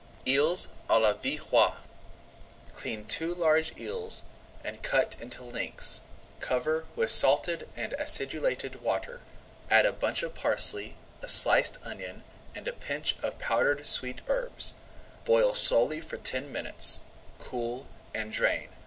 EELS À LA VILLEROY Clean two large eels and cut into lengths. Cover with salted and acidulated water, add a bunch of parsley, a sliced onion, and a pinch of powdered sweet herbs. Boil slowly for ten minutes, cool, and drain.